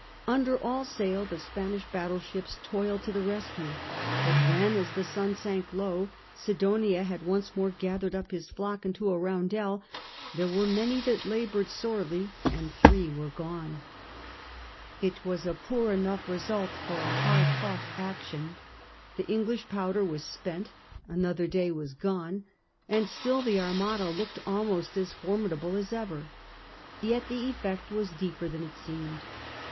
Under all sail the Spanish battle ships toiled to the rescue, but when, as the sun sank low, Sidonia had once more gathered up his flock into a roundel, there were many that laboured sorely, and three were gone. XI REORGANISES THE FLEET 159 It was a poor enough result for a hard fought action. The English powder was spent, another day was gone, and still the Armada looked almost as formidable as ever. Yet the effect was deeper than it seemed.